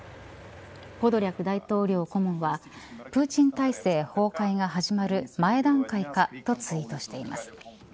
ポドリャク大統領顧問はプーチン体制崩壊が始まる前段階かとツイートしています。